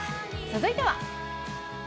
続いては。